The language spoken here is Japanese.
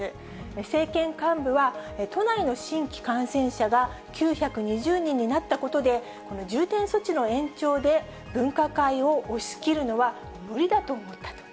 政権幹部は、都内の新規感染者が９２０人になったことで、重点措置の延長で分科会を押し切るのは無理だと思ったと。